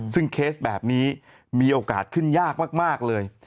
ซึ่งเคสแบบนี้มีโอกาสขึ้นยากมากเลย